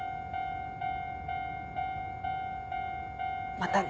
またね。